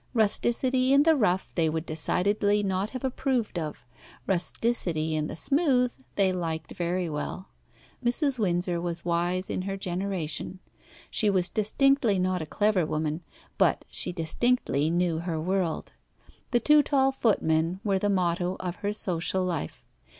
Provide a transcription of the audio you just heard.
Rusticity in the rough they would decidedly not have approved of; rusticity in the smooth they liked very well. Mrs. Windsor was wise in her generation. She was distinctly not a clever woman, but she distinctly knew her world. The two tall footmen were the motto of her social life.